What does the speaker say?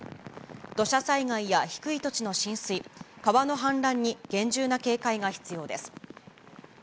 土砂災害や低い土地の浸水、川の氾濫に厳重な警戒が必要です。